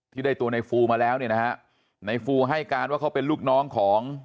ที่ได้ตัวในฟูมาแล้วเนี่ยนะฮะในฟูให้การว่าเขาเป็นลูกน้องของ